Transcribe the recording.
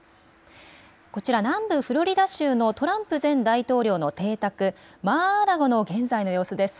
こちら、南部フロリダ州のトランプ前大統領の邸宅、マー・アー・ラゴの現在の様子です。